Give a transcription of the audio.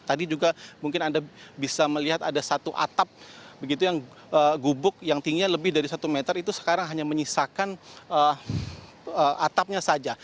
tadi juga mungkin anda bisa melihat ada satu atap begitu yang gubuk yang tingginya lebih dari satu meter itu sekarang hanya menyisakan atapnya saja